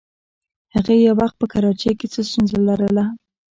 هغې یو وخت په کراچۍ کې څه ستونزه لرله.